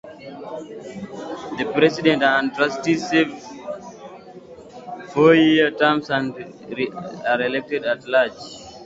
The president and trustess serve four-year terms and are elected at large.